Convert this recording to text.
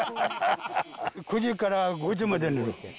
９時から５時まで寝る。